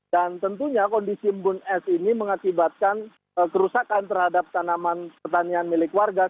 dan tentunya kondisi embun es ini mengakibatkan kerusakan terhadap tanaman pertanian milik warga